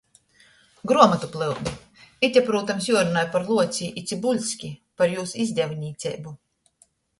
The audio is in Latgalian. Gruomotu plyudi – ite, prūtams, juorunoj par Luoci i Cybuļski, par jūs izdevnīceibu!